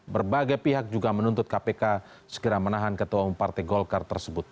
berbagai pihak juga menuntut kpk segera menahan ketua umum partai golkar tersebut